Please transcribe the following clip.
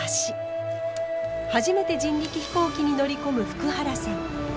初めて人力飛行機に乗り込む福原さん。